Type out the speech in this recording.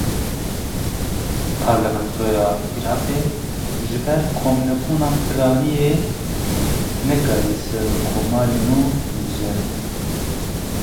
Parlamentoya Iraqê ji ber komnebûna piraniyê nekarî serokkomarê nû hilbijêre.